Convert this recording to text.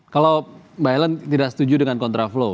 kalau mbak helen tidak setuju dengan contra flow